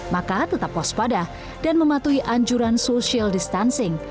maka tetap waspada dan mematuhi anjuran social distancing